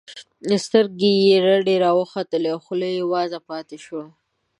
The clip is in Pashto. سترګې یې رډې راوختلې او خوله یې وازه پاتې شوه